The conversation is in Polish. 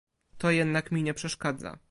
To jednak mi nie przeszkadza